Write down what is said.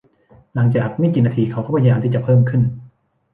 หลังจากไม่กี่นาทีเขาก็พยายามที่จะเพิ่มขึ้น